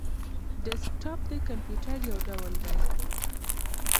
ډیسکټاپ د کمپيوټر یو ډول دی